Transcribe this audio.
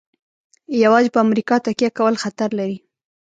یوازې په امریکا تکیه کول خطر لري.